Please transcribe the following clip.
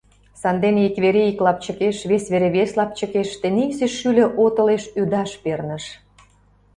Сандене ик вере ик лапчыкеш, вес вере вес лапчыкеш, тенийсе шӱльӧ отылеш ӱдаш перныш.